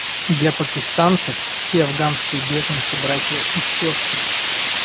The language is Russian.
Для пакистанцев все афганские беженцы — братья и сестры.